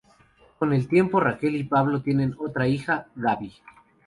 Con el tiempo, Raquel y Pablo tienen otra hija, Gaby.